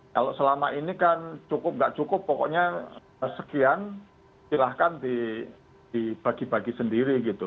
kalau selama ini kan cukup nggak cukup pokoknya sekian silahkan dibagi bagi sendiri gitu